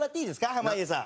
濱家さん。